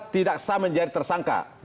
tidak sah menjadi tersangka